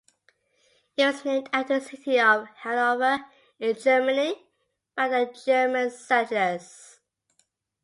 It was named after city of Hanover in Germany by the German settlers.